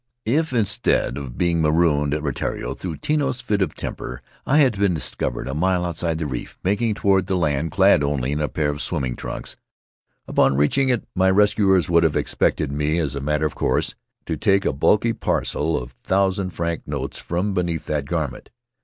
If, instead of being marooned at Rutiaro through Tino's fit of 10 [ 133 ] Faery Lands of the South Seas temper, I had been discovered a mile outside the reef, making toward the land clad only in a pair of swim ming trunks, upon reaching it my rescuers would have expected me, as a matter of course, to take a bulky parcel of thousand franc notes from beneath that garment.